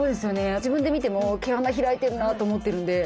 自分で見ても毛穴が開いてるなと思ってるんで。